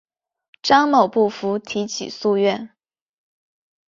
张某不服提起诉愿。